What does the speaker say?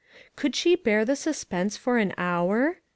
Could she bear the suspense for an hour?